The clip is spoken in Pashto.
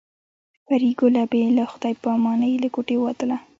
پري ګله بې له خدای په امانۍ له کوټې ووتله